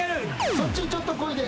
そっちちょっとこいで。